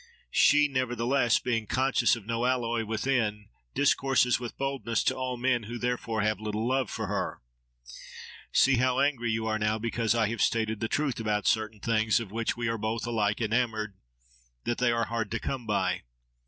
She, nevertheless, being conscious of no alloy within, discourses with boldness to all men, who therefore have little love for her. See how angry you are now because I have stated the truth about certain things of which we are both alike enamoured—that they are hard to come by.